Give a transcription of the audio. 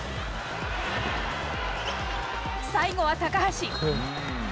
最後は高橋。